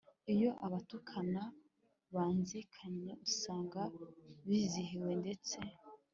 lyo abatukana banzikanye, usanga bizihiwe, ndetse